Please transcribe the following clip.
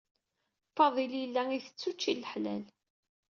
Faḍil yella itett učči leḥlal.